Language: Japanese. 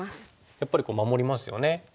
やっぱり守りますよね。